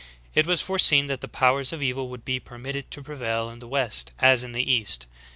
It was foreseen that the powers of evil would be permitted to prevail in the west as in the east.